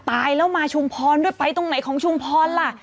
ตายแล้วมาชุมพรด้วยไปตรงไหนของชุมพรล่ะ